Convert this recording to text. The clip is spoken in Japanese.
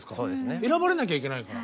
選ばれなきゃいけないから。